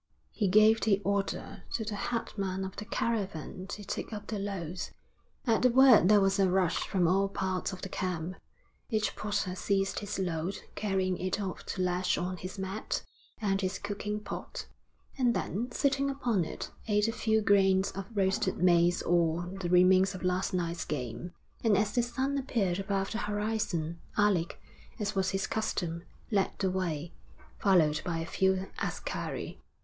He gave the order to the headman of the caravan to take up the loads. At the word there was a rush from all parts of the camp; each porter seized his load, carrying it off to lash on his mat and his cooking pot, and then, sitting upon it, ate a few grains of roasted maize or the remains of last night's game. And as the sun appeared above the horizon, Alec, as was his custom, led the way, followed by a few askari.